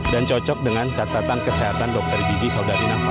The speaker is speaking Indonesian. dan cocok dengan catatan kesehatan dokter gigi saudari nafal